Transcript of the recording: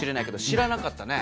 知らなかった。